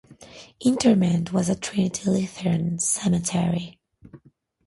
Interment was at Trinity Lutheran Cemetery.